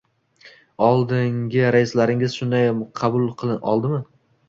— Oldingi raislaringiz shunday qabul qilib oldimi?